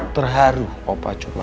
terharu opah cuma